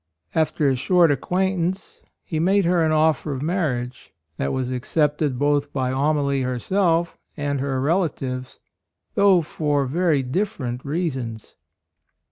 After a short acquaintance he made her an offer of mar riage, that was accepted both by Amalie herself and her rela tives, though for very different reasons.